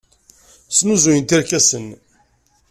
Snuzuyent irkasen.